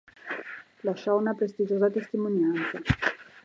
Lasciò una prestigiosa testimonianza.